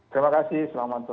terima kasih selamat menikmati